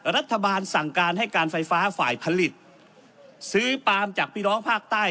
รัฐบาลสั่งการให้การไฟฟ้าฝ่ายผลิตซื้อปามจากพี่น้องภาคใต้